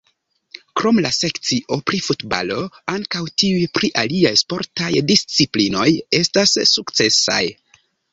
Krom la sekcio pri futbalo, ankaŭ tiuj pri aliaj sportaj disciplinoj estas sukcesaj.